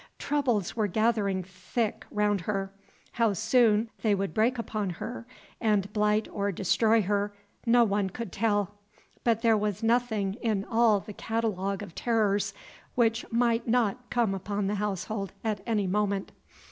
Troubles were gathering thick round her; how soon they would break upon her, and blight or destroy her, no one could tell; but there was nothing in all the catalogue of terrors which might not come upon the household at any moment.